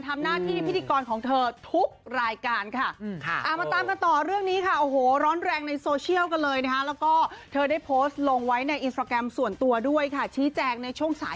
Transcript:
สำหรับกรณีพิธีกรชื่อดังก